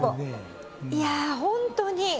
いやー、本当に。